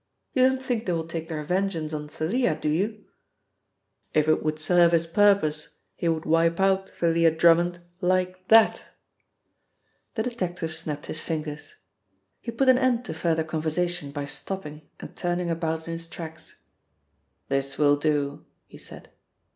"You don't think they will take their vengeance on Thalia, do you?" "If it would serve his purpose, he would wipe out Thalia Drummond like that." The detective snapped his fingers. He put an end to further conversation by stopping and turning about in his tracks. "This will do," he said.